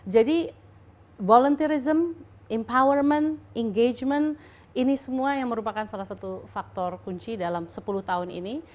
jadi volunteerism empowerment engagement ini semua yang merupakan salah satu faktor kunci dalam sepuluh tahun ini